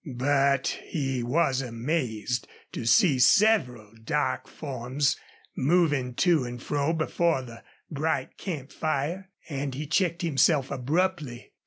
But he was amazed to see several dark forms moving to and fro before the bright camp fire, and he checked himself abruptly.